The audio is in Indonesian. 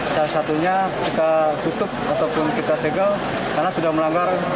salah satunya kita tutup ataupun kita segel karena sudah melanggar